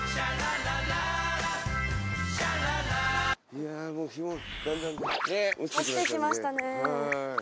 いやもう日もだんだん落ちてきましたんで。